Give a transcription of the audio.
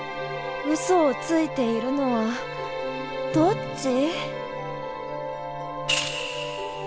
ウソをついているのはどっち？